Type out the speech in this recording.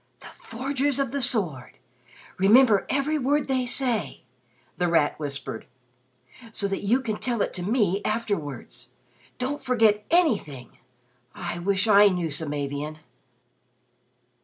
"'The Forgers of the Sword.' Remember every word they say," The Rat whispered, "so that you can tell it to me afterwards. Don't forget anything! I wish I knew Samavian."